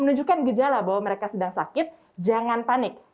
menunjukkan gejala bahwa mereka sedang sakit jangan panik